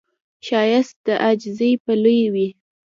ښایست په عاجزۍ کې لوی وي